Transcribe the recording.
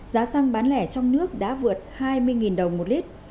giá xăng bán lẻ trong nước đã vượt hai mươi đồng một lít